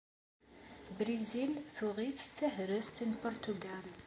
Brizil tuɣ-itt d tahrest n Purtugal.